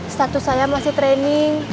status saya masih training